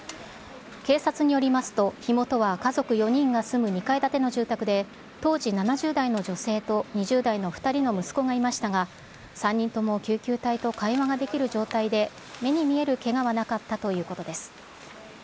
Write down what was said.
警察によりますと、火元は家族４人が住む２階建ての住宅で、当時、７０代の女性と２０代の２人の息子がいましたが、３人とも救急隊と会話ができる状態で、目に見えるけがはなかったということです。